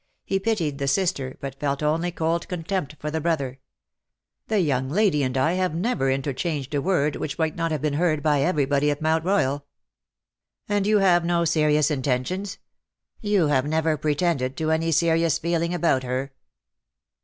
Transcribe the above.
He pitied the sister, but felt only cold contempt for the brother. " The young lady and I have never inter changed a word which might not have been heard by everybody at Mount Royal." ^^ And you have had no serious intentions — you have never pretended to any serious eeling about her."